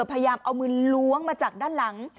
พยายามเอามือล้วงมาจากด้านหลัง